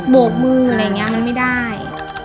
โบบมืออะไรแบบนี้ยังไม่ได้